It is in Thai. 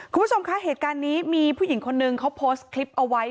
คุณผู้ชมคะเหตุการณ์นี้มีผู้หญิงคนนึงเขาโพสต์คลิปเอาไว้